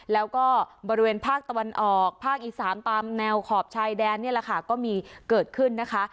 แล้วก็บริเวณภาคตะวันออกภาคอีสานตามแนวขอบชายแดนนี่แหละค่ะก็มีเกิดขึ้นนะคะ